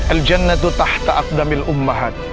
aljannatu tahta akdamil ummahat